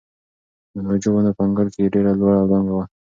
د ناجو ونه په انګړ کې ډېره لوړه او دنګه وه.